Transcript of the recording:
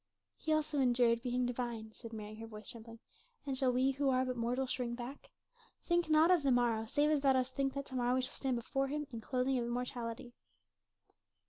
"He also endured being divine," said Mary, her voice trembling; "and shall we who are but mortal shrink back? Think not of the morrow, save as thou dost think that to morrow we shall stand before Him in clothing of immortality."